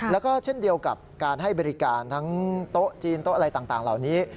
แล้วก็เช่นเดียวกับการให้บริการทั้งโต๊ะจีนโต๊ะอะไรต่างเหล่านี้